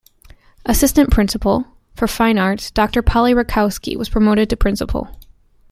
Assistant Principal for Fine Arts, Doctor Polly Reikowski was promoted to Principal.